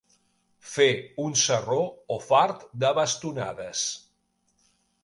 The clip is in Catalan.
Fer un sarró o fart de bastonades.